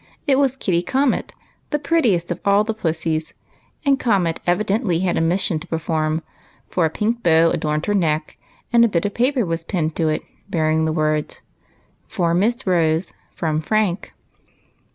It was Kitty Comet, the prettiest of all the pussies, and Comet evidently had a mission to per form, for a pink bow adorned her neck, and a bit of paper was pinned to it bearing the words, " For Miss Rose, from Frank."